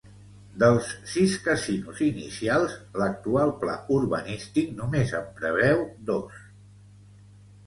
Dels sis casinos inicials, l’actual pla urbanístic només en preveu dos.